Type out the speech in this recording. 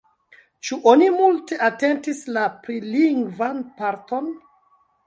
Ĉu oni multe atentis la prilingvan parton?